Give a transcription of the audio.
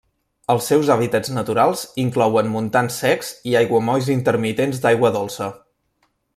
Els seus hàbitats naturals inclouen montans secs i aiguamolls intermitents d'aigua dolça.